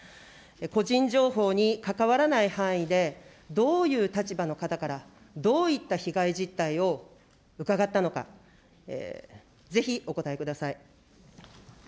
個人情報に関わらない範囲で、どういう立場の方から、どういった被害実態を伺ったのか、ぜひお答えください。